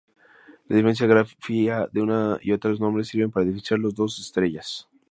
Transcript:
La diferente grafía de uno y otro nombre sirve para diferenciar las dos estrellas.